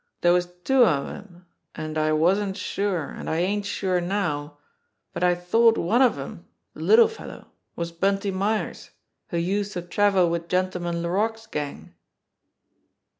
Dere was two of 'em, an' I wasn't sure, an' I ain't sure now, but I thought one of 'em, the little fellow, was Bunty Myers, who used to travel wid Gentleman Laroque's gang."